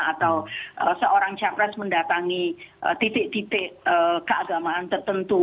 atau seorang capres mendatangi titik titik keagamaan tertentu